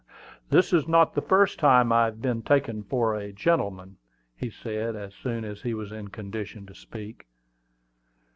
"This is not the first time I have been taken for a gentleman," said he, as soon as he was in condition to speak.